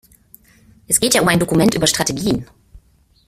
Es geht ja um ein Dokument über Strategien.